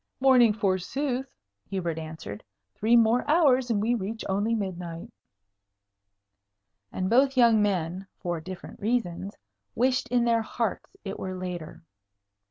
"Morning, forsooth!" Hubert answered. "Three more hours, and we reach only midnight." And both young men (for different reasons) wished in their hearts it were later.